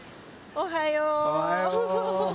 ・おはよう！